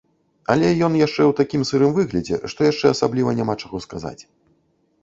Але ён яшчэ ў такім сырым выглядзе, што яшчэ асабліва няма чаго сказаць.